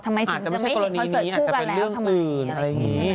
อ๋อทำไมถึงจะไม่เห็นคอนเสิร์ตคู่กันแล้วทำไมนี่